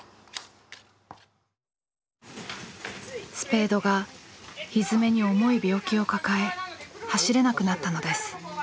スペードがひづめに重い病気を抱え走れなくなったのです。